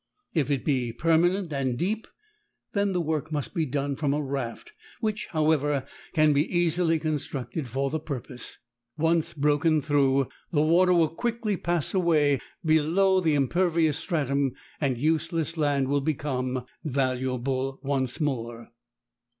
If it be permanent and deep, then the work must be done from a raft, which, however, can be easily constructed for the purpose. Once broken through, the water will quickly pass away below the impervious stratum and useless land will become valuable.